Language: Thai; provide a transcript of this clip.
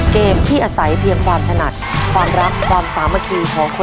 เกมที่อาศัยเพียงความถนัดความรักความสามัคคีของคน